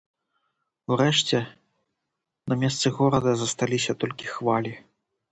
Урэшце на месцы горада засталіся толькі хвалі.